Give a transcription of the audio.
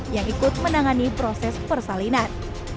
yang ikut menangani proses persalinan